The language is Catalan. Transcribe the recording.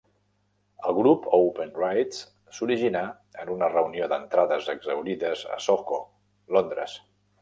El grup Open Rights s'originà en una reunió d'entrades exhaurides a Soho, Londres.